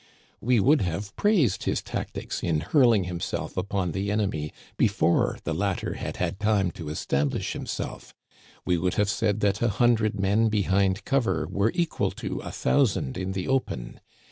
We would have praised his tactics in hurling himself upon the enemy before the latter had had time to establish himself. We would have said that a hundred men behind cover were equal to a thousand in the open.